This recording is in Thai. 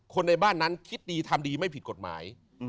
ในบ้านนั้นคิดดีทำดีไม่ผิดกฎหมาย